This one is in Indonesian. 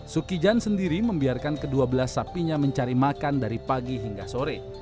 sukijan sendiri membiarkan kedua belas sapinya mencari makan dari pagi hingga sore